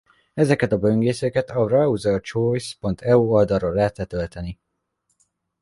Ezeket a böngészőket a browserchoice.eu oldalról lehet letölteni.